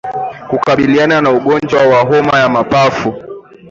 Kukabiliana na ugonjwa wa homa ya mapafu